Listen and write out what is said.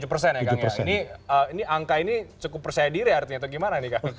cukup persedia diri artinya atau gimana nih kang